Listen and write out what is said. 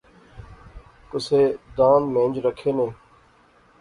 کُسے دانذ مہنج رکھےنے